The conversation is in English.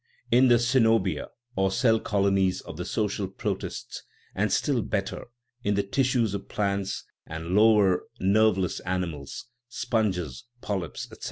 In the ccenobia or cell colonies of the social protists, and still better in the tissues of plants and lower, nerveless animals (sponges, polyps, etc.)